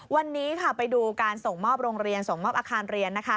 วันนี้ไปดูการส่งมอบโรงเรียนส่งมอบอาคารเรียนนะคะ